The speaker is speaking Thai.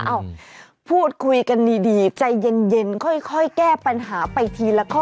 เอ้าพูดคุยกันดีใจเย็นค่อยแก้ปัญหาไปทีละข้อ